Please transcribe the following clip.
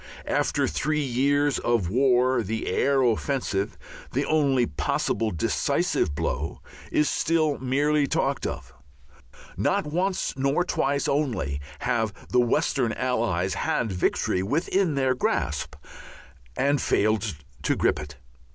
After three years of war the air offensive, the only possible decisive blow, is still merely talked of. Not once nor twice only have the Western Allies had victory within their grasp and failed to grip it.